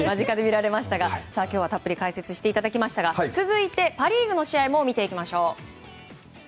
今日はたっぷり解説していただきましたが続いて、パ・リーグの試合も見てみましょう。